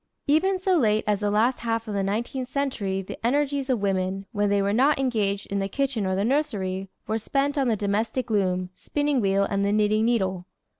Even so late as the last half of the nineteenth century the energies of women, when they were not engaged in the kitchen or the nursery, were spent on the domestic loom, spinning wheel and the knitting needle.